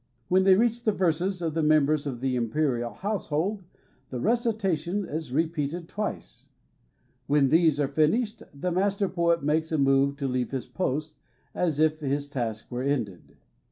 When they reach the verses of mem bers of the imperial household, the recitation is repeated twice. When these are finished, the Master i>oet makes a move to leave his post, as if his task were ended.